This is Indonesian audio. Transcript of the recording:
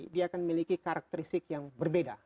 dia akan memiliki karakteristik yang berbeda